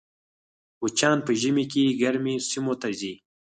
کوچیان په ژمي کې ګرمو سیمو ته ځي